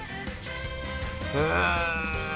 へえ。